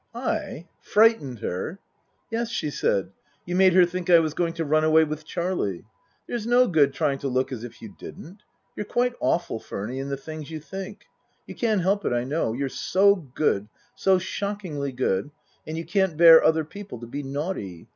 " I ? Frightened her ?"" Yes," she said. " You made her think I was going to run away with Charlie. There's no good trying to look as if you didn't. You're quite awful, Furny, in the things you think. You can't help it, I know. You're so good, so shockingly good, and you can't bear other people to be naughty.